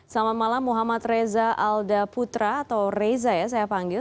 selamat malam muhammad reza alda putra atau reza ya saya panggil